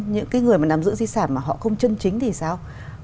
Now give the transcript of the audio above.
những cái người mà nắm giữ di sản mà họ không chân chính thì sao